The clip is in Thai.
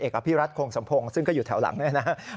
กับพิรัฐโครงสัมพงศ์ซึ่งก็อยู่แถวหลังด้วยนะครับ